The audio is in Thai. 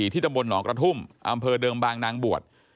ตำบลหนองกระทุ่มอำเภอเดิมบางนางบวช